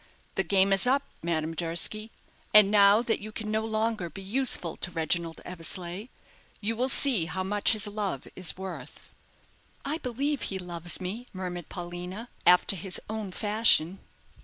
The game is up, Madame Durski; and now that you can no longer be useful to Reginald Eversleigh, you will see how much his love is worth." "I believe he loves me," murmured Paulina, "after his own fashion."